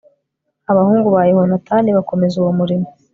abahungu ba yehonatani bakomeza uwo murimo